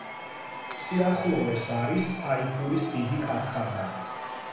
სიახლოვეს არის ფაიფურის დიდი ქარხანა.